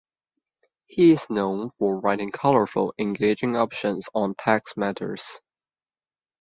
He is known for writing colorful, engaging opinions on tax matters.